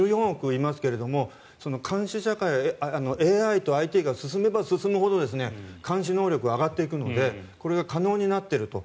いますが、監視社会ＡＩとＩＴが進めば進むほど監視能力が上がっていくのでこれが可能になっていると。